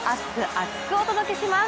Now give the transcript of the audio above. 厚く！お届けします。